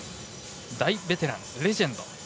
大ベテラン、レジェンド。